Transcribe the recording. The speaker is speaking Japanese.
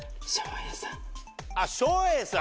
あっ照英さん